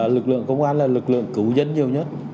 lực lượng công an là lực lượng cứu dân nhiều nhất